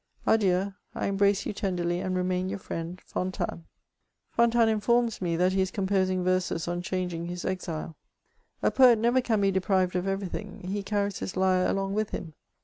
Adieu, I embrace you tenderly, and remain your friend, «* FOWTANES." Fontanes informs me that he is composing verses on changing bis enle. A poet never can be deprived of every thing ; he carries his lyre along with him.